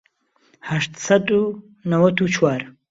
هەشت سەد و نەوەت و چوار